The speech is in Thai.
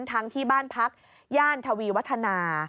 ทั้งที่บ้านพักย่านทวีวัฒนา